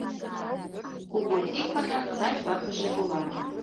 Кугу Тикынын сай ватыже улам